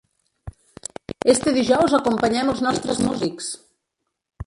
Este dijous acompanyem als nostres músics!